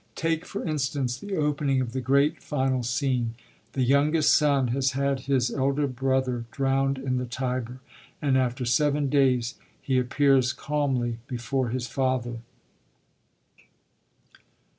Take, for instance, the opening of the great final scene. The youngest son has had his elder brother drowned in the Tiber, and after seven days he appears calmly before his father.